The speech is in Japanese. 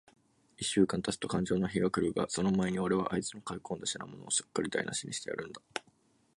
一週間たつとかんじょうの日が来るが、その前に、おれはあいつの買い込んだ品物を、すっかりだいなしにしてやるんだ。